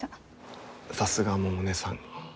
さすが百音さん。